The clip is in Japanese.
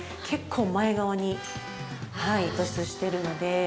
結構前側に突出しているので。